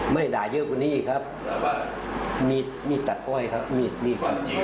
ไม่ด่าเยอะกว่านี้อีกครับมีดมีดตัดอ้อยครับมีดมีด